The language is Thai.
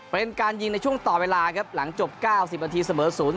เป็นการยิงในช่วงต่อเวลาครับหลังจบ๙๐นาทีเสมอ๐๒